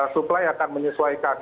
supply akan menyesuaikan